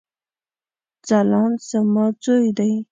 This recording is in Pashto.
ځلاند زما ځوي دی